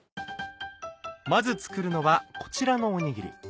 まず作るのはこちらのおにぎり。